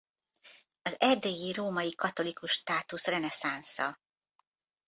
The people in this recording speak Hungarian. Az Erdélyi Római Katholikus Státus reneszánsza.